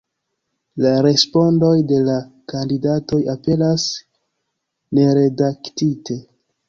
La respondoj de la kandidatoj aperas neredaktite.